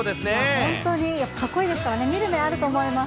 本当に、かっこいいですからね、見る目あると思います。